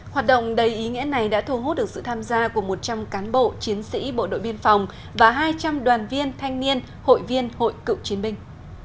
hoạt động đầy ý nghĩa này đã thu hút được sự tham gia của một trăm linh cán bộ chiến sĩ bộ đội biên phòng và hai trăm linh đoàn viên thanh niên hội viên hội cựu chiến binh